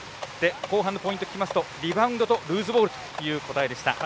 後半のポイントを聞くとリバウンドとルーズボールという答えでした。